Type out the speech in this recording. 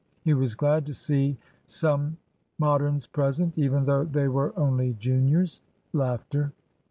He was glad to see some Moderns present, even though they were only juniors.